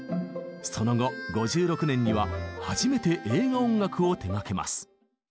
その後５６年には初めて映画音楽を手がけます。